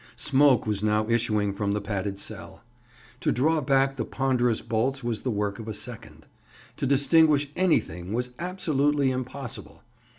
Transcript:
Smoke was now issuing from the padded cell. To draw back the ponderous bolts was the work of a second. To distinguish anything was absolutely impossible.